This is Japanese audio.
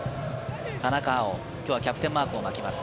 田中碧、きょうはキャプテンマークを巻きます。